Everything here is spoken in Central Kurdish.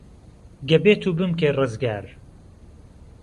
گه بێتو بمکەی ڕزگار